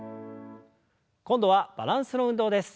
今度はバランスの運動です。